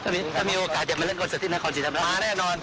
ถ้ามีถ้ามีโอกาสจะมาเล่นคอนเสิร์ตที่นครสิทธิ์ธรรมดาลมาแน่นอน